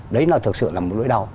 đấy là thực sự là một lỗi đau